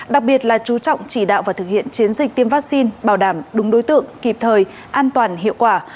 đặc biệt là chú trọng chỉ đạo và thực hiện chiến dịch tiêm vaccine bảo đảm đúng đối tượng kịp thời an toàn hiệu quả